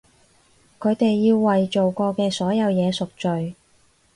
佢哋要為做過嘅所有嘢贖罪！